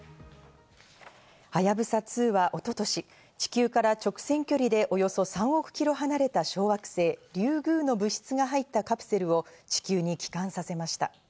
はやぶさ２は、一昨年、地球から直線距離でおよそ３億キロ離れた小惑星リュウグウの物質が入ったカプセルを地球に帰還させました。